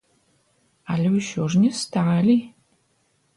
Але ўсё ж не сталі.